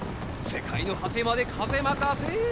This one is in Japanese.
世界の果てまで風任せ。